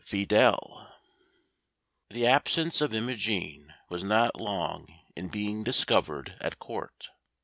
Fidele The absence of Imogen was not long in being discovered at Court.